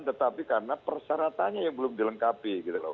tetapi karena persyaratannya yang belum dilengkapi